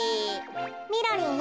みろりんよ。